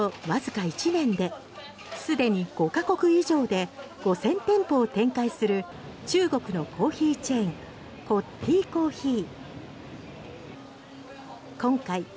創業わずか１年ですでに５か国以上で５０００店舗を展開する中国のコーヒーチェーンＣＯＴＴＩＣＯＦＦＥＥ。